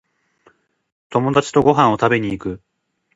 友達とご飯を食べに行く